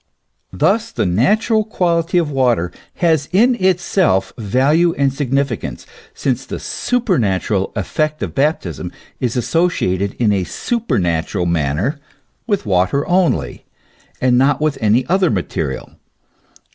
Thus the natural quality of water has in itself value and significance, since the supernatural effect of baptism is associated in a supernatural manner with water only, and not with any other material.